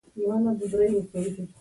د هرات په زلزله دنيا خاموش ده